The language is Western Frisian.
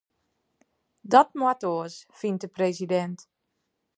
Dat moat oars, fynt de presidint.